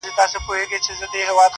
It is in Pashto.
کال په کال یې زیاتېدل مځکي باغونه؛